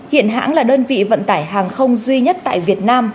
hiện hãng là đơn vị vận tải hàng không duy nhất tại việt nam